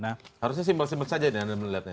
harusnya simpel simpel saja nih